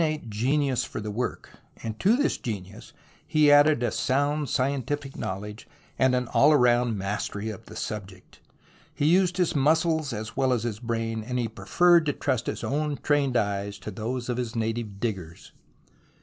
MS THE ROMANCE OF EXCAVATION 27 genius for the work, and to this genius he added a sound scientific knowledge and an all round mastery of his subject. He used his muscles as well as his brain, and he preferred to trust his own trained eyes to those of his native diggers.